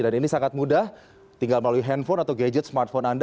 dan ini sangat mudah tinggal melalui handphone atau gadget smartphone anda